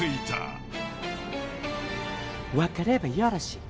「分かればよろしい」